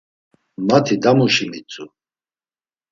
Mati damuşi mitzu.